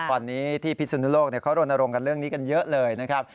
วันนี้ที่พิสุนุโลกเขารณรงค์กันเรื่องนี้กันเยอะเลยนะครับ